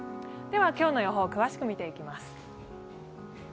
今日の予報を詳しく見ていきます。